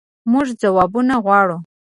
مونږ ځوابونه غواړو